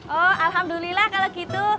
oh alhamdulillah kalau gitu